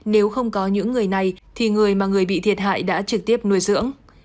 nếu không có những người này thì người mà người bị thiệt hại đã trực tiếp nuôi dưỡng